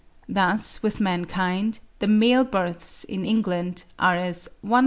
Thus with mankind, the male births in England are as 104.